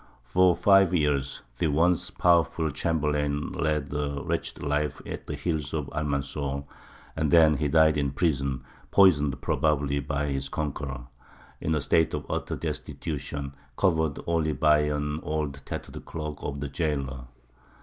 For five years the once powerful chamberlain led a wretched life at the heels of Almanzor, and then he died in prison, poisoned probably by his conqueror, in a state of utter destitution, covered only by an old tattered cloak of the jailor.